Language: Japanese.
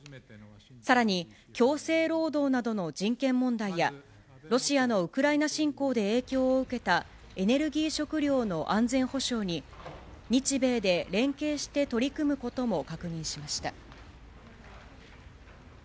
さらに、強制労働などの人権問題や、ロシアのウクライナ侵攻で影響を受けたエネルギー・食料の安全保障に、日米で連携して取り組むことも確認しました。